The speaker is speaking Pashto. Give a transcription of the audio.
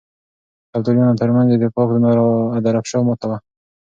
د ابدالیانو ترمنځ اتفاق د نادرافشار ماته وه.